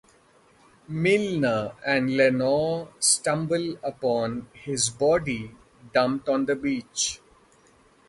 Milner and Lenore stumble upon his body dumped on the beach.